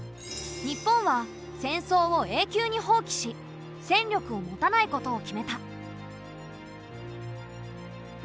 日本は戦争を永久に放棄し戦力を持たないことを決めた。